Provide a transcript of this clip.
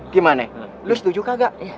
gimana lu setuju kagak